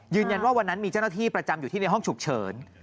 วันนั้นมีเจ้าหน้าที่ประจำอยู่ที่ในห้องฉุกเฉิน